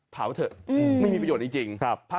เผาเถอะไม่มีประโยชน์จริง